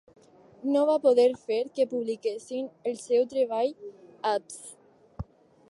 No va poder fer que publiquessin el seu treball a Pssst!